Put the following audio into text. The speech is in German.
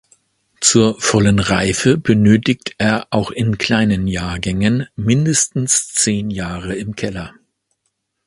Zur vollen Reife benötigt er auch in kleinen Jahrgängen mindestens zehn Jahre im Keller.